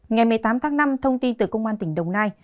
ngày một mươi tám tháng năm thông tin từ công an tỉnh đồng nai